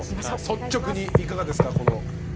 率直にいかがですか？